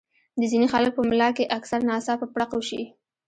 د ځينې خلکو پۀ ملا کښې اکثر ناڅاپه پړق اوشي